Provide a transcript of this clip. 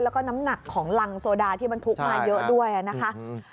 แล้วก็น้ำหนักของรังโซดาที่บรรทุกมาเยอะด้วยนะคะ